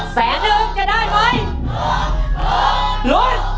แสนหนึ่งจะได้ไหม